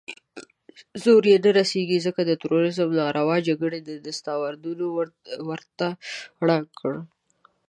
زور يې نه رسېږي، ځکه د تروريزم ناروا جګړې دستارونه ورته ړنګ کړل.